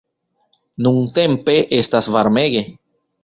Nuntempe estas varmege.